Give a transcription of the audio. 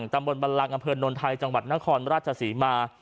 กับตำบลบัลลังก์อำเพิร์นนทายจังหวัดนครราชภาษีมา